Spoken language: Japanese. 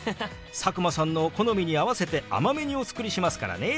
佐久間さんの好みに合わせて甘めにお作りしますからね。